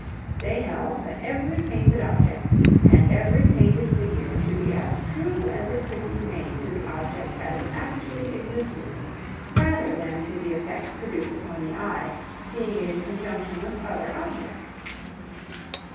They held that every painted object, and every painted figure should be as true as it could be made to the object as it actually existed, rather than to the effect produced upon the eye, seeing it in conjunction with other objects.